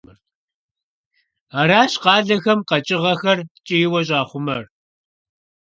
Аращ къалэхэм къэкӀыгъэхэр ткӀийуэ щӀахъумэр.